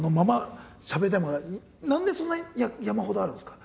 何でそんなに山ほどあるんですか？